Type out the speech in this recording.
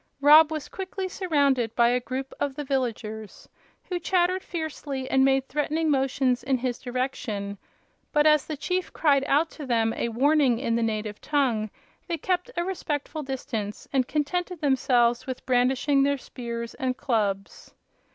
Rob was quickly surrounded by a crowd of the villagers, who chattered fiercely and made threatening motions in his direction; but as the chief cried out to them a warning in the native tongue they kept a respectful distance and contented themselves with brandishing their spears and clubs.